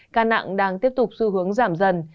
ca nặng đang tiếp tục xu hướng giảm dần